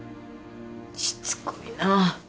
しつこいなぁ。